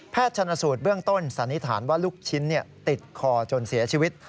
ชนสูตรเบื้องต้นสันนิษฐานว่าลูกชิ้นติดคอจนเสียชีวิต